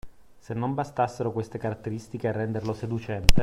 Se non bastassero queste caratteristiche a renderlo seducente